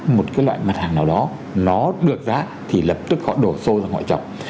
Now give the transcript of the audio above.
một cái loại mặt hàng nào đó nó được giá thì lập tức họ đổ xô và họ chọc